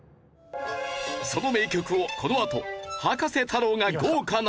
その名曲をこのあと葉加瀬太郎が豪華生演奏！